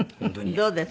どうです？